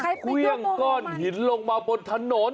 เครื่องก้อนหินลงมาบนถนน